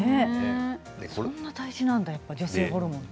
そんな大事なんだ女性ホルモンって。